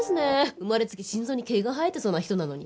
生まれつき心臓に毛が生えてそうな人なのに。